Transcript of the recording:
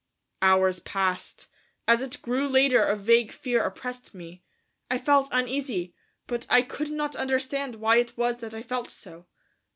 Hours passed. As it grew later a vague fear oppressed me. I felt uneasy, but I could not understand why it was that I felt so.